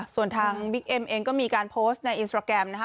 ส่วนทางบิ๊กเอ็มเองก็มีการโพสต์ในอินสตราแกรมนะคะ